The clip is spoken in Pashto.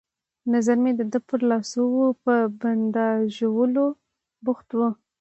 نظر مې د ده پر لاسو وو، په بنداژولو بوخت وو.